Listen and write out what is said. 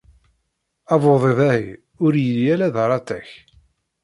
Abudid-ahi ur yelli ara d aratak.